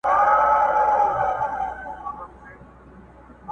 غم لړلی نازولی دی کمکی دی٫